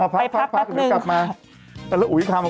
ไปพักนึกกลับมา